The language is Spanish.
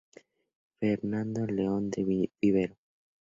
Fernando León de Vivero.